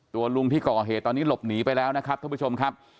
ลุงที่ก่อเหตุตอนนี้หลบหนีไปแล้วนะครับท่านผู้ชมครับ